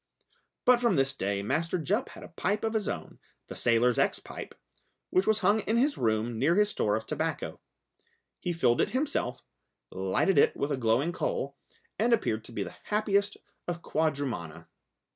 But from this day Master Jup had a pipe of his own, the sailor's ex pipe, which was hung in his room near his store of tobacco. He filled it himself, lighted it with a glowing coal, and appeared to be the happiest of quadrumana.